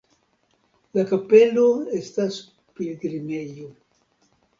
La kapelo estas pilgrimejo.